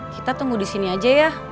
kita tunggu disini aja ya